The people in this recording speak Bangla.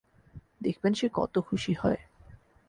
দেখবেন সে কত খুশি হয়।